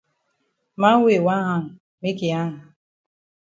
Man wey yi wan hang make yi hang.